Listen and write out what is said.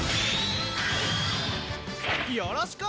よろしこ！